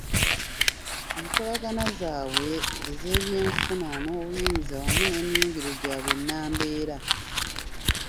Enkolagana zaabwe ez’ebyenfuna n’obuyinza wamu n’emiyungiro gyabwe nnambeera.